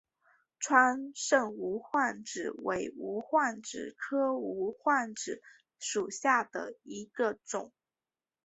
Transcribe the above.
川滇无患子为无患子科无患子属下的一个种。